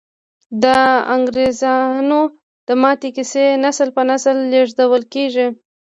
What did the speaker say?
د انګریزامو د ماتې کیسې نسل په نسل لیږدول کیږي.